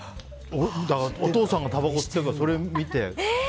お父さんがたばこ吸ってるからそれ見て。